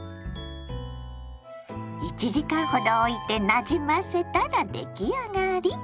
１時間ほどおいてなじませたら出来上がり！